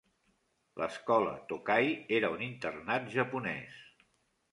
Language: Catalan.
L'escola Tokai era un internat japonès.